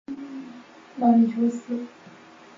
毛里求斯艳织雀是毛里求斯特有的一种鸟。